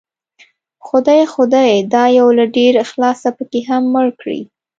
خدای خو دې دا يو له ډېر اخلاصه پکې هم مړ کړي